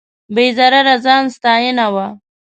بې ضرره ځان ستاینه وه.